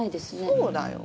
そうだよ。